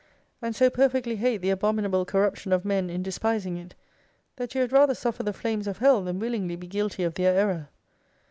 And so perfectly hate the abominable corruption of men in despising it, that you had rather suffer the flames of Hell than willingly be guilty of their error.